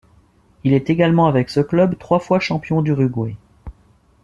Il est également avec ce club trois fois champion d'Uruguay.